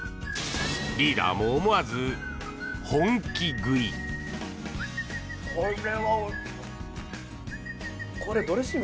リーダーも思わず本気食い。